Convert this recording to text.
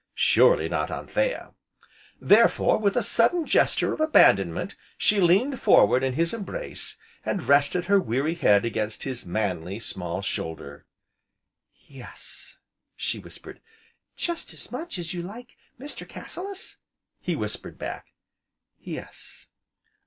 surely not Anthea. Therefore, with a sudden gesture of abandonment, she leaned forward in his embrace, and rested her weary head against his manly, small shoulder: "Yes!" she whispered. "Jest as much as you like Mr. Cassilis?" he whispered back. "Yes!"